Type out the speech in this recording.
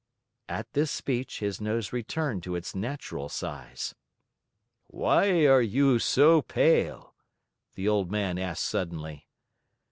At this speech, his nose returned to its natural size. "Why are you so pale?" the old man asked suddenly.